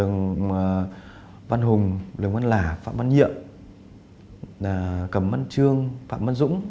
vương văn hùng lương văn lả phạm văn nhiệm cẩm văn trương phạm văn dũng